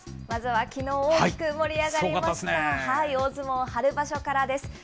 まずはきのう、大きく盛り上がりました、大相撲春場所からです。